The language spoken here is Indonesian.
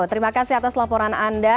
terima kasih atas laporan anda